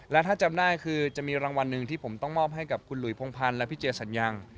และถ้าจำได้คือจะมีรางวัลหนึ่งที่ผมต้องมอบให้กับคุณหลุยพงพันธ์และพี่เจสัญญัง